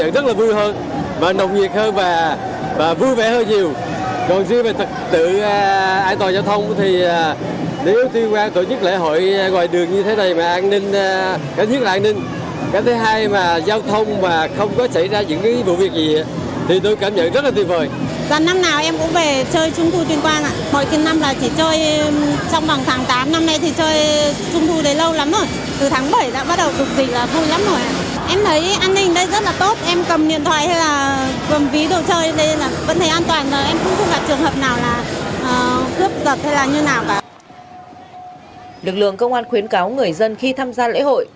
được lượng công an khuyến cáo người dân khi tham gia lễ hội